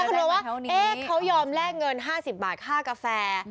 แต่ละคำนวณว่าเขายอมแลกเงิน๕๐บาทค่ากาแฟ